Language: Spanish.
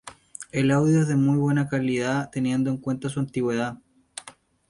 El audio es de muy buena calidad, teniendo en cuenta su antigüedad.